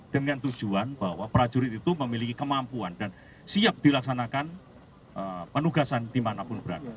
dengan tujuan bahwa prajurit itu memiliki kemampuan dan siap dilaksanakan penugasan dimanapun berada